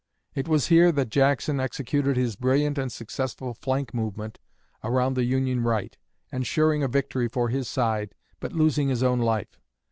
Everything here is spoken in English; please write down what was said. It was here that Jackson executed his brilliant and successful flank movement around the Union right, ensuring a victory for his side but losing his own life.